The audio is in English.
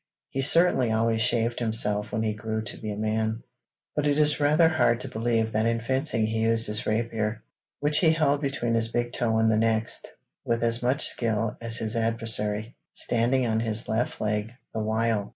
He certainly always shaved himself when he grew to be a man, but it is rather hard to believe that in fencing he used his rapier, which he held between his big toe and the next, 'with as much skill as his adversary,' standing on his left leg the while.